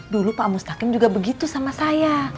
dulu pak mustaqim juga begitu sama saya